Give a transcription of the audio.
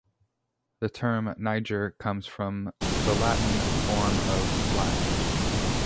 The term "niger" comes from the Latin form of "black".